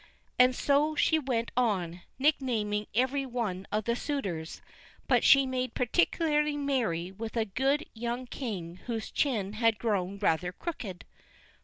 And so she went on, nicknaming every one of the suitors, but she made particularly merry with a good young king whose chin had grown rather crooked.